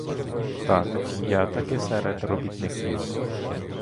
Так, я таки серед робітників!